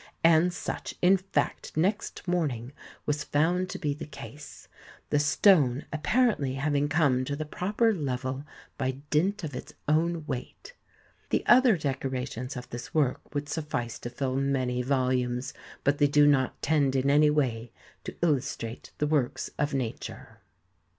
And such, in fact, next morning, was found to be the case, the stone appar ently having come to the proper level by dint of its own weight. The other decorations of this work would suffice to fill many volumes, but they do not tend in any way to illustrate the works of nature.